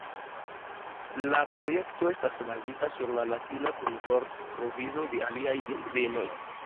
La projekto estas bazita sur la latina kun vortprovizo de aliaj devenoj.